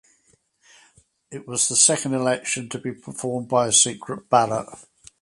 It was the second election to be performed by secret ballot.